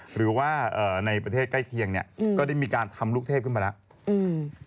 หรือว่าในประเทศใกล้เคียงเนี่ยก็ได้มีการทำลูกเทพขึ้นมาแล้วอืม